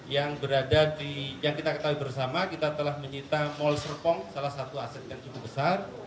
yang berada di yang kita ketahui bersama kita telah menyita mall serpong salah satu aset yang cukup besar